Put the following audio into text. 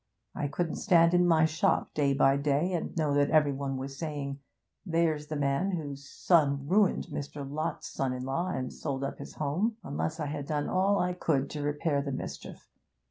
I couldn't stand in my shop day by day, and know that every one was saying, "There's the man whose son ruined Mr. Lott's son in law and sold up his home," unless I had done all I could to repair the mischief.